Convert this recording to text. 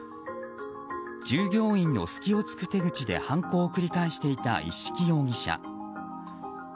従業員の隙を突く手口で犯行を繰り返していた一色容疑者。